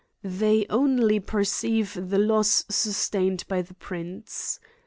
They only perceive the loss sustained by the prince.